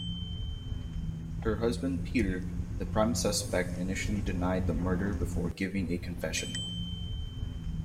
Her husband Peter, the prime suspect, initially denied the murder before giving a confession.